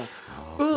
「うん！」